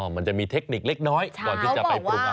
มันจะมีเทคนิคเล็กน้อยก่อนที่จะไปปรุงอาหาร